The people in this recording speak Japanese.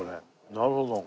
なるほど。